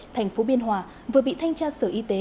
thành phố biên hòa vừa bị thanh tra sở y tế